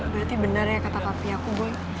berarti bener ya kata papi aku boy